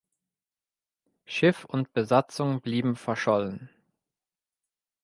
Schiff und Besatzung blieben verschollen.